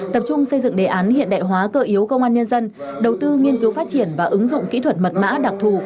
tập trung xây dựng đề án hiện đại hóa cơ yếu công an nhân dân đầu tư nghiên cứu phát triển và ứng dụng kỹ thuật mật mã đặc thù